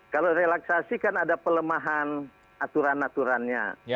kalau relaksasi kan ada pelemahan aturan aturannya